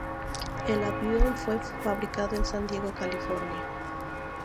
El avión fue fabricado en San Diego, California.